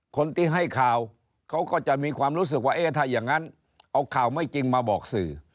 คนที่ให้ข่าวเขาก็จะมีความรู้สึกว่าเอ๊ะถ้าอย่างนั้นเอาข่าวไม่จริงมาบอกสื่อ